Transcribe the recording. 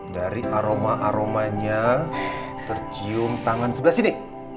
dari aroma aromanya tercium tangan sebelah sini